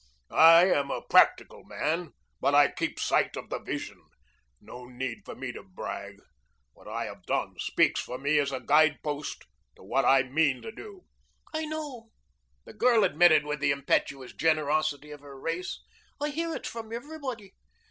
I am a practical man, but I keep sight of the vision. No need for me to brag. What I have done speaks for me as a guidepost to what I mean to do." "I know," the girl admitted with the impetuous generosity of her race. "I hear it from everybody.